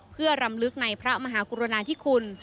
เพื่อรำลึกในพระมหากรุณาธิคุณ